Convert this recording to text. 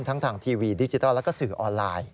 ทั้งทางทีวีดิจิทัลแล้วก็สื่อออนไลน์